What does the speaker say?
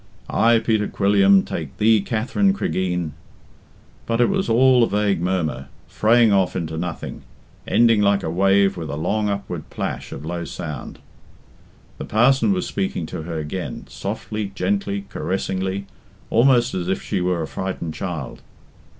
"I, Peter Quilliam, take thee, Katherine Cregeen '" But it was all a vague murmur, fraying off into nothing, ending like a wave with a long upward plash of low sound. The parson was speaking to her again, softly, gently, caressingly, almost as if she were a frightened child.